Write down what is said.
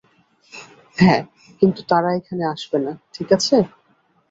হ্যাঁ, কিন্তু তারা এখানে আসবে না, ঠিক আছে?